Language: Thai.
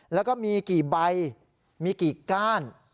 แล้วก็มีกี่ใบมีกี่ก้าน